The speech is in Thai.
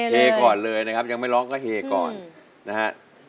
ก่อนเลยนะครับยังไม่ร้องก็เฮก่อนนะฮะ